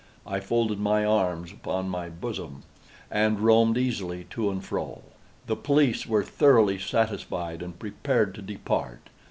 I folded my arms upon my bosom, and roamed easily to and fro. The police were thoroughly satisfied and prepared to depart.